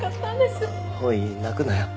おい泣くなよ。